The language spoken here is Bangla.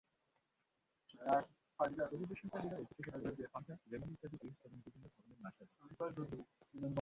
পরিবেশনকারীরা অতিথিদের কোক, ফান্টা, লেমন ইত্যাদি ড্রিংকস এবং বিভিন্ন ধরনের নাশতা দিচ্ছেন।